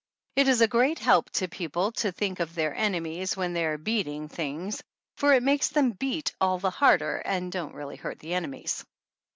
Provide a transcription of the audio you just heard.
It is a great help to people to think of their enemies when they are beating things, for it makes them beat all the harder and don't really hurt the enemies.